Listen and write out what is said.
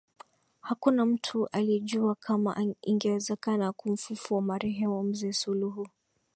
Hakuna mtu alijua kama ingewezekana kumfufua marehemu Mzee Suluhu